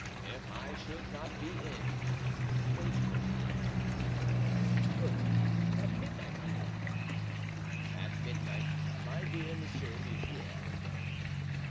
"If I should not be in, wait for me." "Good! at midnight, my lord." "At midnight, my dear Monsieur Louvieres."